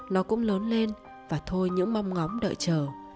nó cũng lớn lên và thôi những mong ngóng đợi chờ